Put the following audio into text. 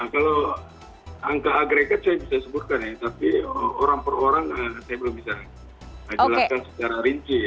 kalau angka agregat saya bisa sebutkan ya tapi orang per orang saya belum bisa jelaskan secara rinci